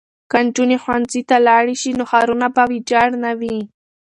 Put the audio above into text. که نجونې ښوونځي ته لاړې شي نو ښارونه به ویجاړ نه وي.